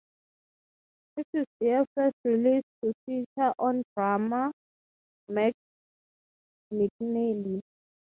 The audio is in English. It is their first release to feature a drummer, Mac McNeilly.